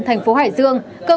đào duy tùng sides